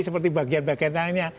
seperti bagian bagian lainnya